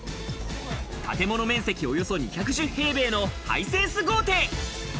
建物面積およそ２１０平米のハイセンス豪邸。